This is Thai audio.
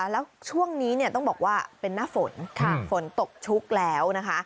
แล้วช่วงนี้ต้องบอกว่าเป็นหน้าฝนฝนตกชุกแล้วนะคะ